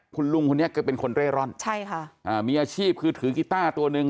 คุณลุงคนนี้ก็เป็นคนเร่ร่อนใช่ค่ะอ่ามีอาชีพคือถือกีต้าตัวหนึ่ง